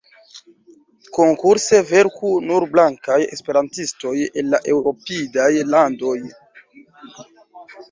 Konkurse verku nur blankaj esperantistoj el la eŭropidaj landoj.